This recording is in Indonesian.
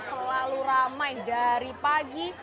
selalu ramai dari pagi